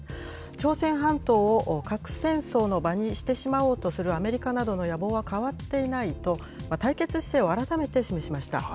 朝鮮半島を核戦争の場にしてしまおうとするアメリカなどの野望は変わっていないと、対決姿勢を改めて示しました。